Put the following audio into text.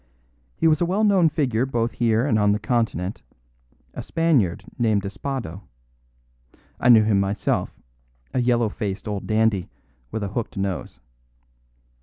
He was a well known figure both here and on the Continent, a Spaniard named Espado; I knew him myself, a yellow faced old dandy, with a hooked nose.